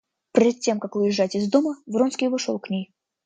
Пред тем как уезжать из дома, Вронский вошел к ней.